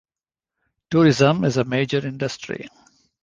Tourism is a major industry.